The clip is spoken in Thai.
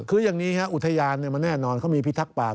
คืออย่างนี้อุทยานมันแน่นอนเขามีพิทักษ์ป่า